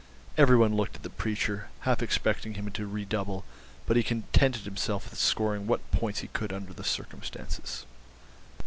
Every one looked at the preacher, half expecting him to redouble, but he contented himself with scoring what points he could under the circumstances."